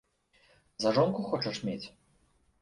За жонку хочаш мець?